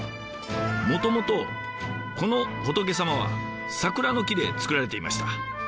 もともとこの仏様は桜の木で作られていました。